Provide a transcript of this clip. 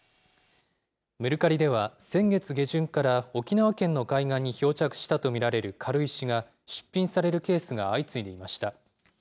メルカリでは先月下旬から沖縄県の海岸に漂着したと見られる軽石が出品されるケースが相次いでいました。